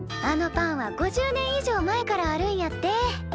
あのパンは５０年以上前からあるんやって。